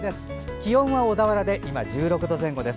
気温は小田原で１６度前後です。